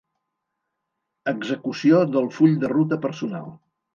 Execució del full de ruta personal.